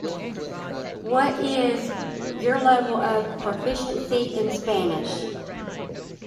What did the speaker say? What is your level of proficiency in Spanish?